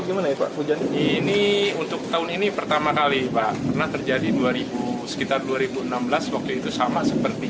gimana ya pak hujan ini untuk tahun ini pertama kali pak pernah terjadi dua ribu sekitar dua ribu enam belas waktu itu sama seperti